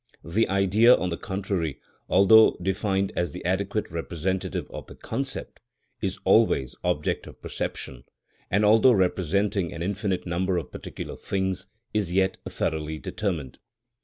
The Idea on the contrary, although defined as the adequate representative of the concept, is always object of perception, and although representing an infinite number of particular things, is yet thoroughly determined.